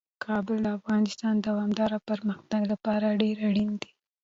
کابل د افغانستان د دوامداره پرمختګ لپاره ډیر اړین دی.